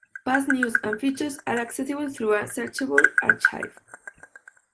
Past news and features are accessible through a searchable archive.